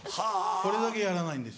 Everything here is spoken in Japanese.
これだけやらないんです。